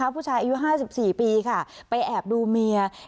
ผู้ชายอายุ๕๔ปีค่ะไปแอบดูเมีย